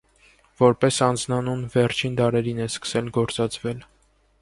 Որպես անձնանուն վերջին դարերին է սկսել գործածվել։